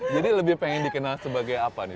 jadi lebih pengen dikenal sebagai apa nih